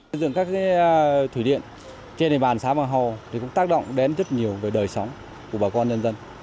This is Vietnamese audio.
xây dựng các thủy điện trên đề bàn xã bản hồ thì cũng tác động đến rất nhiều về đời sống của bà con dân dân